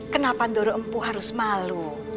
kenapa doro empu harus malu